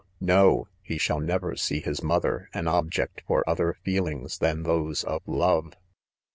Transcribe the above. no" !« he shall never see his mother an object for other feel ings than those of love!